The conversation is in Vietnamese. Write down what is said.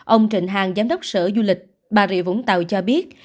ông trịnh hàng giám đốc sở du lịch bà rịa vũng tàu cho biết